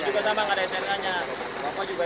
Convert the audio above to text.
katanya memang ditilang pak